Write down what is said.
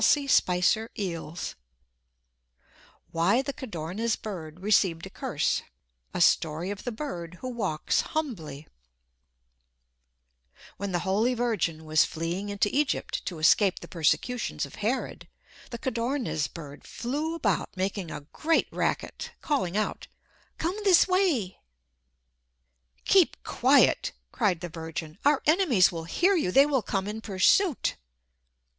[Illustration: Headpiece] WHY THE CODORNIZ BIRD RECEIVED A CURSE A Story of the Bird Who Walks Humbly When the Holy Virgin was fleeing into Egypt to escape the persecutions of Herod, the Codorniz bird flew about making a great racket, calling out, "Come this way." "Keep quiet!" cried the Virgin. "Our enemies will hear you! They will come in pursuit!"